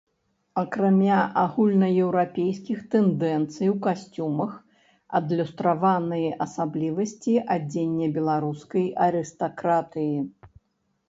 Акрамя агульнаеўрапейскіх тэндэнцый у касцюмах адлюстраваныя асаблівасці адзення беларускай арыстакратыі.